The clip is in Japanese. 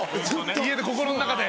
家で心の中で。